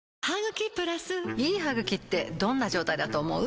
いい歯ぐきってどんな状態だと思う？